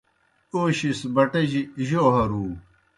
اوشِیْس بٹِجیْ جو ہرُو